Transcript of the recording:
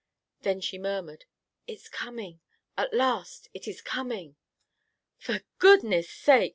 Then she murmured: "It's coming! At last, it is coming!" "For goodness sake!"